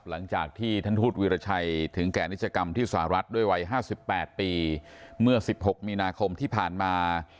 หลังจากที่ท่านทูตวิรชัยถึงแก่อนิจกรรมที่สหรัฐด้วยวัย๕๘ปีเมื่อ๑๖มีนาคมที่ผ่านมา